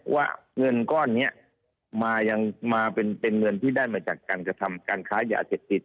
ว่าเงินก้อนนี้มายังมาเป็นเงินที่ได้มาจากการกระทำการค้ายาเสพติด